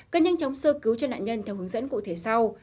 cần nhanh chóng sơ cứu cho nạn nhân theo hướng dẫn cụ thể sau